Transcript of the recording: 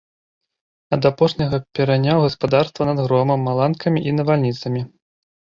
Ад апошняга пераняў гаспадарства над громам, маланкамі і навальніцамі.